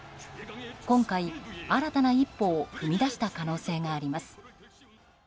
今回、新たな一歩を踏み出した可能性があります。